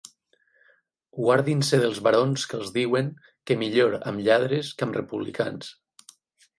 Guardin-se dels barons que els diuen que millor amb lladres que amb republicans.